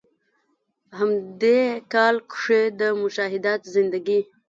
هم د ې کال کښې د“مشاهدات زندګي ”